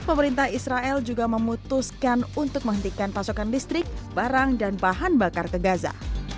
pemerintah israel juga memutuskan untuk menghentikan pasokan listrik barang dan bahan bakar ke gaza